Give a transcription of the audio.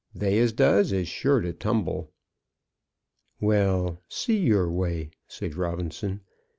They as does is sure to tumble." "Well; see your way," said Robinson.